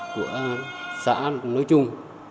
của xã nói chung